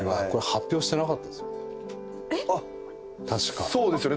あっそうですよね。